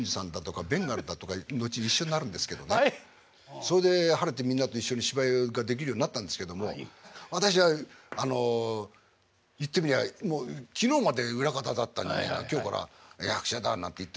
それで晴れてみんなと一緒に芝居ができるようになったんですけれども私は言ってみりゃもう昨日まで裏方だった人間が今日から役者だなんて言ってるのと同じですからね。